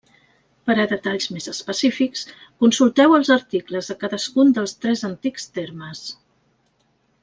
Per a detalls més específics, consulteu els articles de cadascun dels tres antics termes.